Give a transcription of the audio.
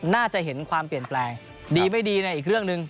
น่าจะเห็นความเปลี่ยนแปลงดีไม่ดีในอีกเรื่องหนึ่ง